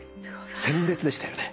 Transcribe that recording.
鮮烈でしたよね。